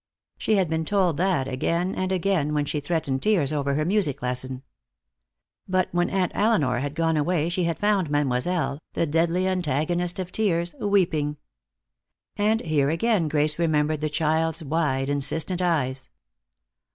She had been told that again and again when she threatened tears over her music lesson. But when Aunt Elinor had gone away she had found Mademoiselle, the deadly antagonist of tears, weeping. And here again Grace remembered the child's wide, insistent eyes.